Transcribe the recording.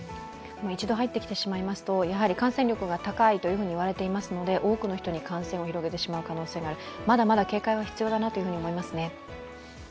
一度入ってきてしまいますと、感染力が高いと言われていますので多くの人に感染を広げてしまう可能性がありまだまだ警戒は必要だなと思いますね。